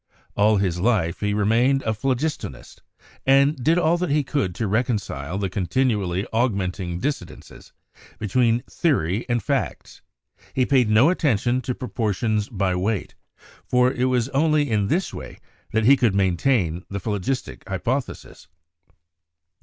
All his life he remained a phlogistonist, and did all that he could to reconcile the continually augmenting dissidences between theory and facts; he paid no attention to proportions by weight, for it was only in this way that he could maintain the phlogistic hypothesis.